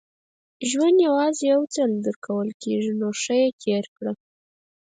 • ژوند یوازې یو ځل درکول کېږي، نو ښه یې تېر کړه.